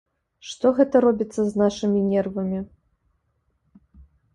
Што гэта робіцца з нашымі нервамі?